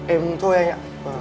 em thôi anh ạ